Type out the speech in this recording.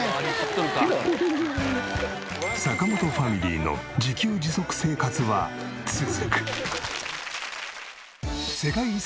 坂本ファミリーの自給自足生活は続く。